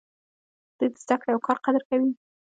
دوی د زده کړې او کار قدر کوي.